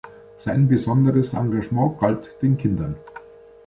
Sein besonderes Engagement galt den Kindern.